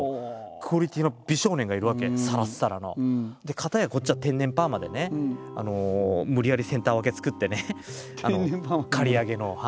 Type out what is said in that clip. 片やこっちは天然パーマでね無理やりセンター分け作ってね刈り上げの。